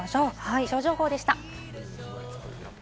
気象情報でした。